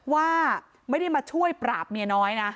ว่าไม่ได้มาช่วยปราบเมียน้อยนะ